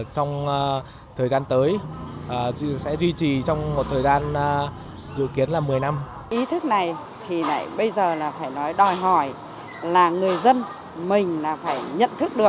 trong thời gian tới đoàn phường cũng như tri bộ của đoàn dân cư